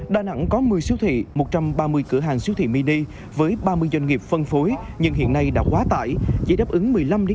đà nẵng có một mươi siêu thị một trăm ba mươi cửa hàng siêu thị mini với ba mươi doanh nghiệp phân phối nhưng hiện nay đã quá tải chỉ đáp ứng một mươi năm năm